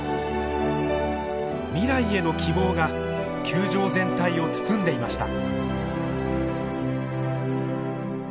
未来への希望が球場全体を包んでいました。